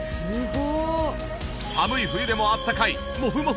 寒い冬でもあったかいモフモフ